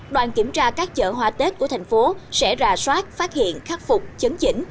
đoàn kiểm tra các chợ hoa tết của thành phố sẽ ra soát phát hiện khắc phục chấn chỉnh